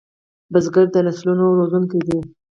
بزګر د نسلونو روزونکی دی